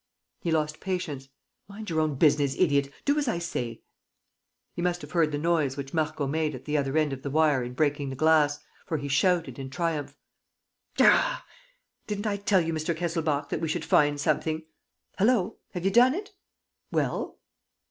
He lost patience. "Mind your own business, idiot! ... Do as I say! ..." He must have heard the noise which Marco made at the other end of the wire in breaking the glass, for he shouted, in triumph. "Didn't I tell you, Mr. Kesselbach, that we should find something? ... Hullo! Have you done it? ... Well?